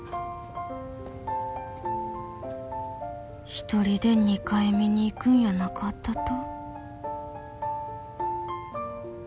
１人で２回見に行くんやなかったと？